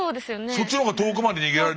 そっちの方が遠くまで逃げられる。